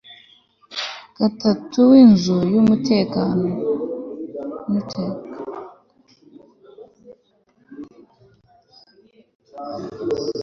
gatatu w inzu y uwiteka